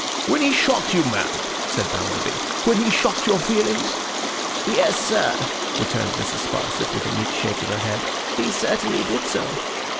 'When he shocked you, ma'am,' said Bounderby; 'when he shocked your feelings?' 'Yes, sir,' returned Mrs. Sparsit, with a meek shake of her head, 'he certainly did so.